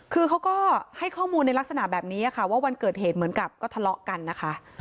คือเขาก็ให้ข้อมูลในลักษณะแบบนี้ค่ะว่าวันเกิดเหตุเหมือนกับก็ทะเลาะกันนะคะ